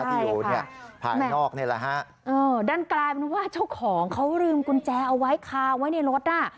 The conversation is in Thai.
ใช่ค่ะผ่านออกเนี่ยแหละฮะเออด้านกลายมันว่าเจ้าของเขาลืมกุญแจเอาไว้คาวไว้ในรถน่ะ